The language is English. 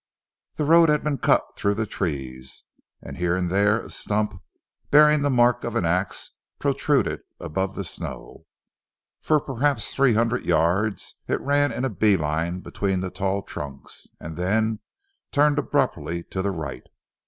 The road had been cut through the trees, and here and there a stump bearing the mark of the ax protruded above the snow. For perhaps three hundred yards it ran in a bee line between the tall trunks, and then turned abruptly to the right.